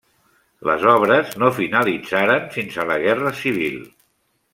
Les obres no finalitzaren fins a la Guerra Civil.